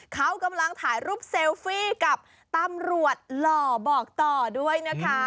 เขากำลังถ่ายรูปเซลฟี่กับตำรวจหล่อบอกต่อด้วยนะคะ